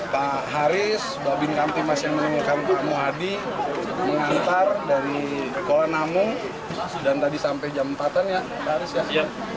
pak haris babi mengantar dari kola namung dan tadi sampai jam empatan ya pak haris ya